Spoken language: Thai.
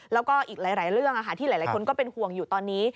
แล้วก็อีกหลายเรื่องที่หลายคนก็เป็นห่วงอยู่ตอนนี้